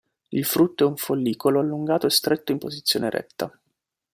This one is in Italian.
Il frutto è un follicolo allungato e stretto in posizione eretta.